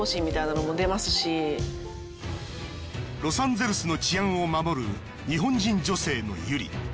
ロサンゼルスの治安を守る日本人女性のＹＵＲＩ。